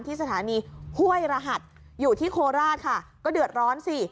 ที่สถานีห้วยรหัสอยู่ที่โคราชค่ะก็เดือดร้อนสิ